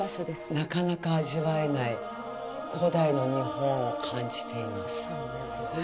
なかなか味わえない古代の日本を感じています。